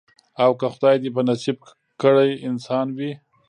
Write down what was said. او که خدای دي په نصیب کړی انسان وي